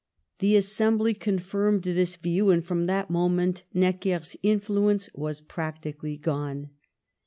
The Assembly confirmed this view, and from that moment Necker' s influence was practically gone.